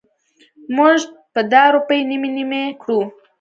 مونږ به دا روپۍ نیمې نیمې کړو.